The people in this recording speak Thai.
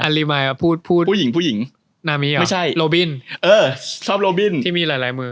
รีมายมาพูดพูดผู้หญิงผู้หญิงนามีอ่ะไม่ใช่โลบินเออชอบโลบินที่มีหลายหลายมือ